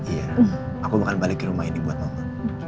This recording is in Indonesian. iya aku mau balik ke rumah ini buat oma